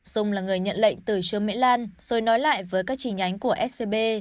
dung là người nhận lệnh từ trương mỹ lan rồi nói lại với các chi nhánh của scb